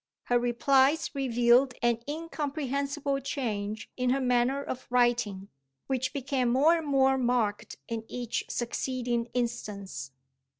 Her replies revealed an incomprehensible change in her manner of writing, which became more and more marked in each succeeding instance.